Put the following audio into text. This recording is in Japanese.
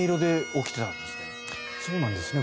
そうなんですね